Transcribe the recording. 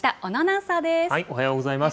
おはようございます。